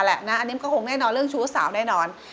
อันนี้มันก็คงแน่นอนเรื่องชู้สาวแน่นอน